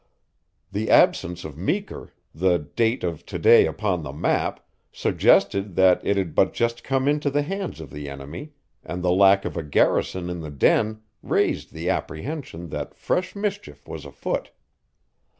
The absence of Meeker, the date of to day upon the map, suggesting that it had but just come into the hands of the enemy, and the lack of a garrison in the Den, raised the apprehension that fresh mischief was afoot.